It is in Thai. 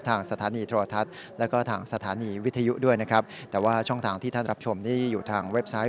ทางสถานีโทรทัศน์แล้วก็ทางสถานีวิทยุด้วยนะครับแต่ว่าช่องทางที่ท่านรับชมนี่อยู่ทางเว็บไซต์